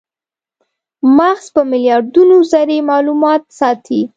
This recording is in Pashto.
مغز په میلیاردونو ذرې مالومات ساتي.